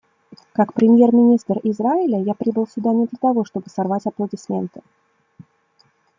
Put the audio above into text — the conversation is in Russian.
Как премьер-министр Израиля я прибыл сюда не для того, чтобы сорвать аплодисменты.